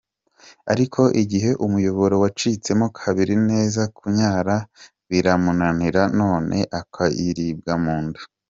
Ariko igihe umuyoboro wacitsemo kabiri neza, kunyara biramunanira noneho akaribwa munda.